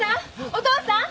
お父さん？